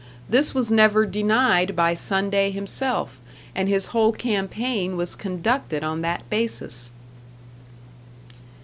This was never denied by Sunday himself, and his whole campaign was conducted on that basis.